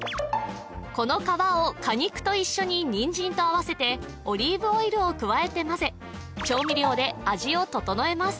この皮を果肉と一緒に人参と合わせてオリーブオイルを加えて混ぜ調味料で味をととのえます